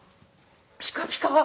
ピカピカ！